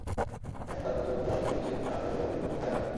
এখন তার প্রচলন যাঁরা তুলে দিচ্ছেন, তাঁদেরও জবাবদিহির আওতায় আনতে হবে।